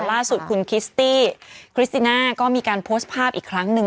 ล่าสุดคุณคิสตี้คริสติน่าก็มีการโพสต์ภาพอีกครั้งหนึ่ง